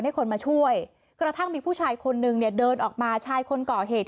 ให้คนมาช่วยกระทั่งมีผู้ชายคนนึงเนี่ยเดินออกมาชายคนก่อเหตุ